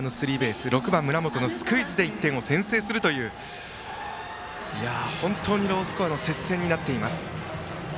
そして６番、村本のスクイズで１点先制という本当にロースコアの接戦になっています。